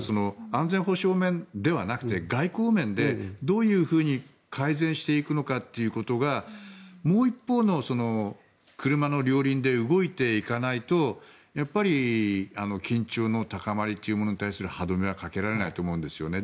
安全保障面ではなくて外交面でどういうふうに改善していくのかということがもう一方の車の両輪で動いていかないと緊張の高まりというものに対する歯止めはかけられないと思うんですよね。